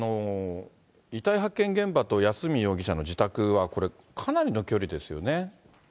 遺体発見現場と安栖容疑者の自宅は、かなりの距離ですよね。